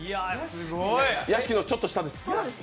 屋敷のちょっと下です。